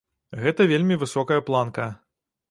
Гэта вельмі высокая планка.